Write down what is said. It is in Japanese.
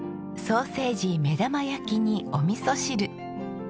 ソーセージ目玉焼きにおみそ汁。